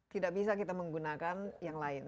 tidak bisa kita menggunakan yang lain